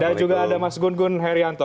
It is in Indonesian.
dan juga ada mas gun gun herianto